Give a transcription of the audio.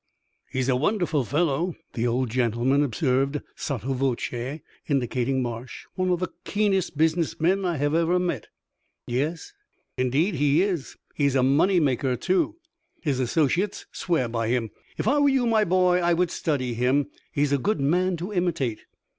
"He is a wonderful fellow," the old gentleman observed, sotto voce, indicating Marsh "one of the keenest business men I ever met." "Yes?" "Indeed, he is. He is a money maker, too; his associates swear by him. If I were you, my boy, I would study him; he is a good man to imitate."